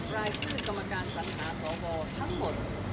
รายชื่อกรรมการสัญหาสวทั้งหมด